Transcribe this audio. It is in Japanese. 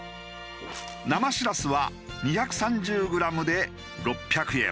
生しらすは２３０グラムで６００円。